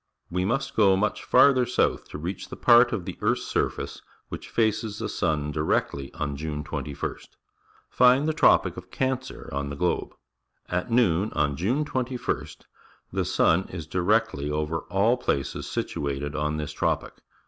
We must go much farther south to reach the part of the earth's surface which faces the sun directly on June 21st. Find the Tropic of Cancer on the globe. At noon on June 21st th e sun Js,_directly over .all, places situated o n this tropic.